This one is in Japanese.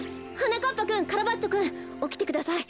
なかっぱくんカラバッチョくんおきてください。